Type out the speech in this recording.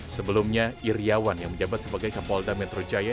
sebelumnya iryawan yang menjabat sebagai kapolda metro jaya